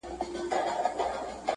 ځکه ځیني کسان تاته راځي